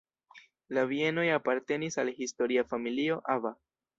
La bienoj apartenis al historia familio "Aba".